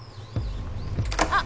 あっ！